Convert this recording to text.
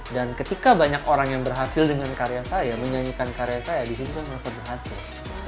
dan ketika banyak orang yang berhasil dengan karya saya menyanyikan karya saya disitu saya akan berhasil